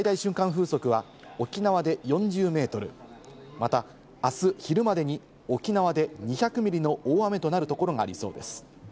風速は、沖縄で４０メートル、またあす昼までに沖縄で２００ミリの大雨となるところがありそうです。